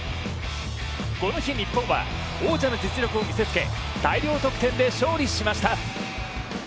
この日日本は王者の実力を見せつけ大量得点で勝利しました。